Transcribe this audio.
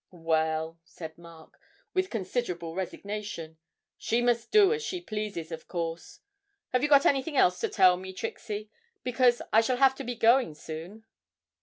'Well,' said Mark, with considerable resignation, 'she must do as she pleases, of course. Have you got anything else to tell me, Trixie, because I shall have to be going soon?'